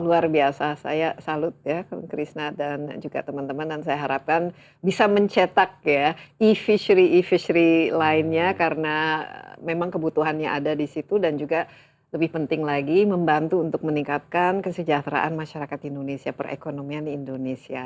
luar biasa saya salut ya krishna dan juga teman teman dan saya harapkan bisa mencetak ya e fishery e fishery lainnya karena memang kebutuhannya ada di situ dan juga lebih penting lagi membantu untuk meningkatkan kesejahteraan masyarakat indonesia perekonomian indonesia